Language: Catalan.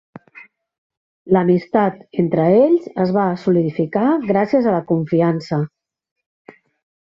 L'amistat entre ells es va solidificar gràcies a la confiança.